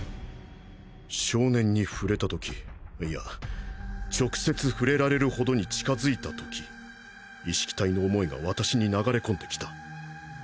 少年に触れた時いや直接触れられる程に近付いた時意識体の思いが私に流れ込んできた。